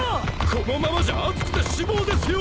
このままじゃ熱くて死亡ですよ！